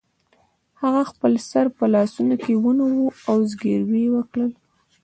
هغه خپل سر په لاسونو کې ونیو او زګیروی یې وکړ